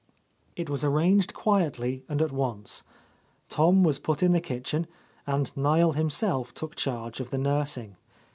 It was arranged quietly, and at once. Tom was put in the kitchen, and Niel himself took charge of the nursing.